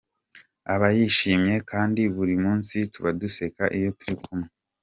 aba yishimye kandi buri munsi tuba duseka iyo turi kumwe.